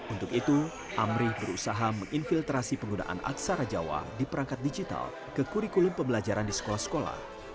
untuk itu amrih berusaha menginfiltrasi penggunaan aksara jawa di perangkat digital ke kurikulum pembelajaran di sekolah sekolah